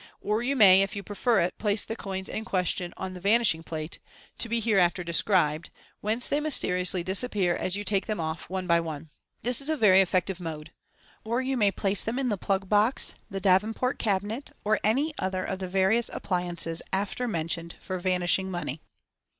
Or you may, if you prefer it, place the coins in question on the " vanish* ing plate," to be hereafter described, whence they mysteriously dis appear as you take them off one by one. This is a very effective mode. Or you may place them in the " plug box," the " Davenport cabinet," or any other of the various appliances after mentioned for vanishing money.